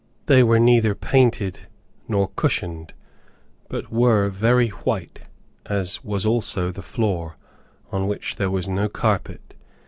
They were neither painted, nor cushioned, but were very white, as was also the floor, on which there was no carpet.